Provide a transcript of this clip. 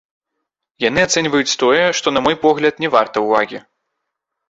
Яны ацэньваюць тое, што, на мой погляд, не варта ўвагі.